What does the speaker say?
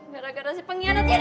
gara gara pengkhianat ini nih